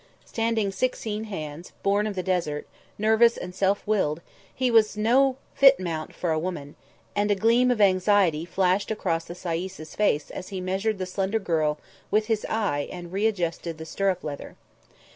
Standing sixteen hands, born of the desert, nervous and self willed, he was no fit mount for a woman, and a gleam of anxiety flashed across the sayis's face as he measured the slender girl with his eye and re adjusted the stirrup leather.